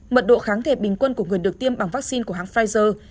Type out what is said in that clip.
mật độ kháng thể bình quân của người được tiêm bằng vaccine của hãng pfizer